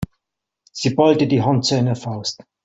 Sie ballte die Hand zu einer Faust.